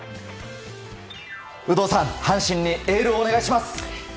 有働さん、阪神にエールをお願いします！